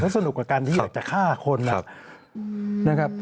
สนุกกับการที่อยากจะฆ่าคนนะครับ